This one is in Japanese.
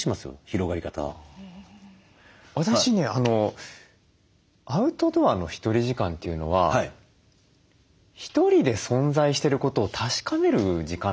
私ねアウトドアのひとり時間というのはひとりで存在してることを確かめる時間なんだろうなと思って。